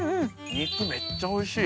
肉めっちゃおいしい。